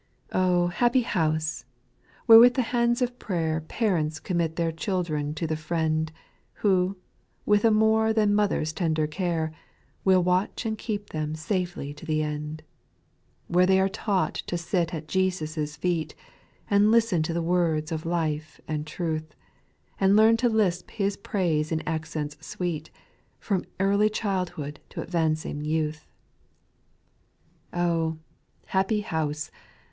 8. Oh, happy house 1 where with the hands of prayer Parents commit their children to the Friend, Who, with a more than mother's tender care. Will watch and keep them safely to the end ; Where they are taught to sit at Jesus' feet, And listen to the words of life and truth, And learu to lisp His praise in accents sweet, From early childhood to advancing youth. SPIRITUAL SONGS. SOI 4. Oh, happy house